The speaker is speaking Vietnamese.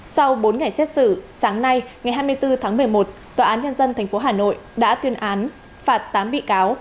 sau bốn ngày xét xử sáng nay ngày hai mươi bốn tháng một mươi một tòa án nhân dân tp hà nội đã tuyên án phạt tám bị cáo